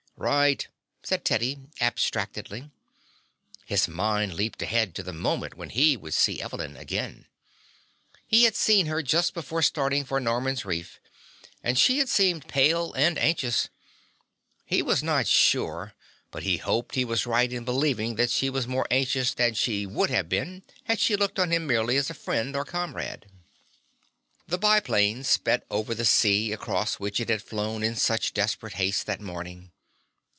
"Right," said Teddy abstractedly. His mind leaped ahead to the moment when he would see Evelyn again. He had seen her just before starting for Noman's Reef and she had seemed pale and anxious. He was not sure, but he hoped he was right in believing that she was more anxious than she would have been had she looked on him merely as a friend or comrade. The biplane sped over the sea across which it had flown in such desperate haste that morning.